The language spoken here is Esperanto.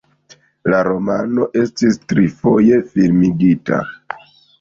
La romano estis trifoje filmigita.